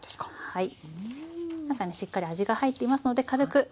はい。